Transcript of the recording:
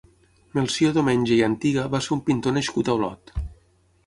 Melcior Domenge i Antiga va ser un pintor nascut a Olot.